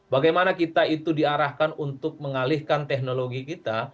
bagaimana kita itu diarahkan untuk mengalihkan teknologi kita